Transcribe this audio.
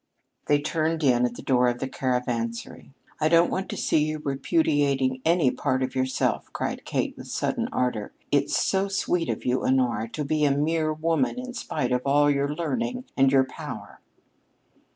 They turned in at the door of the Caravansary. "I don't want to see you repudiating any part of yourself," cried Kate with sudden ardor. "It's so sweet of you, Honora, to be a mere woman in spite of all your learning and your power."